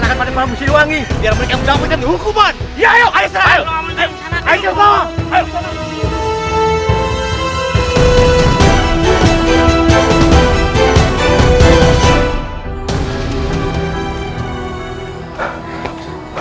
aku sangat senang memiliki kalian semua